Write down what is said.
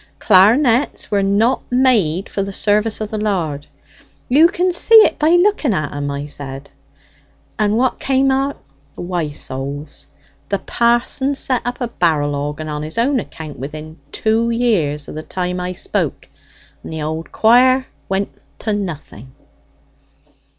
Clar'nets were not made for the service of the Lard; you can see it by looking at 'em,' I said. And what came o't? Why, souls, the parson set up a barrel organ on his own account within two years o' the time I spoke, and the old quire went to nothing."